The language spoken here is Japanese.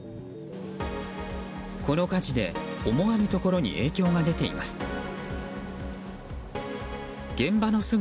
この火事で、思わぬところに影響が出ています。